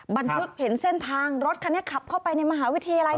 บันทึกเห็นเส้นทางรถคันนี้ขับเข้าไปในมหาวิทยาลัย